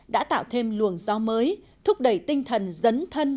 đã tạo thêm luồng gió mới thúc đẩy tinh thần dấn thân